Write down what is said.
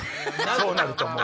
そうなるともう。